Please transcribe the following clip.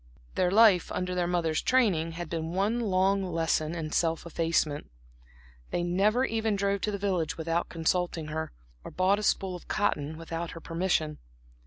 Their life, under their mother's training, had been one long lesson in self effacement; they never even drove to the village without consulting her, or bought a spool of cotton without her permission.